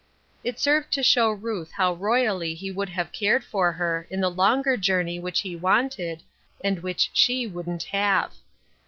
It served to show Ruth how roy ally he would have cared for her in the longer journey which he wanted, and which she wouldn't have.